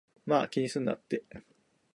まぁ、気にすんなって